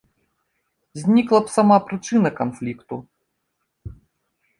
Знікла б сама прычына канфлікту.